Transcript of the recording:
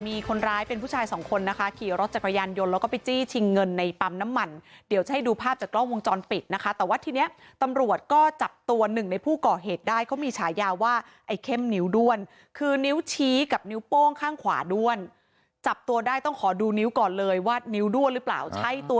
มีคนร้ายเป็นผู้ชายสองคนนะคะขี่รถจักรยานยนต์แล้วก็ไปจี้ชิงเงินในปั๊มน้ำมันเดี๋ยวจะให้ดูภาพจากกล้องวงจรปิดนะคะแต่ว่าทีเนี้ยตำรวจก็จับตัวหนึ่งในผู้ก่อเหตุได้เขามีฉายาว่าไอ้เข้มนิ้วด้วนคือนิ้วชี้กับนิ้วโป้งข้างขวาด้วนจับตัวได้ต้องขอดูนิ้วก่อนเลยว่านิ้วด้วนหรือเปล่าใช่ตัว